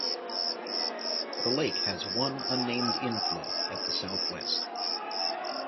The lake has one unnamed inflow at the southwest.